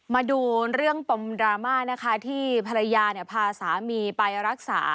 มาดูเรื่องปมดราม่านะคะที่ภรรยาพาสามีไปรักษา